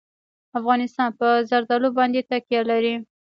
افغانستان په زردالو باندې تکیه لري.